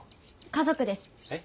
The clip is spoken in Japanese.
家族です。え？